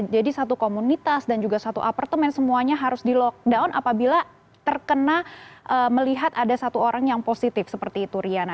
jadi satu komunitas dan juga satu apartemen semuanya harus di lockdown apabila terkena melihat ada satu orang yang positif seperti itu riana